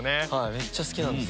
めっちゃ好きなんです。